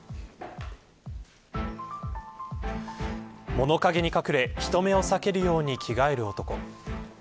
物陰に隠れ人目を避けるように着替える男。